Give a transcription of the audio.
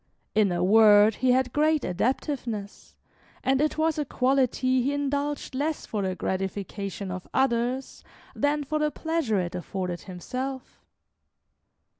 In a word, he had great adaptiveness, and it was a quality he indulged less for the gratification of others than for the pleasure it afforded himself.